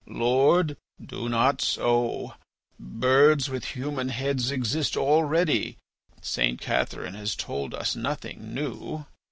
"Lord, do not so. Birds with human heads exist already. St. Catherine has told us nothing new."